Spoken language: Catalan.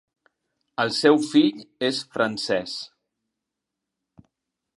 El seu fill és francès.